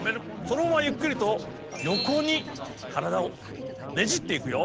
そのままゆっくりとよこにからだをねじっていくよ。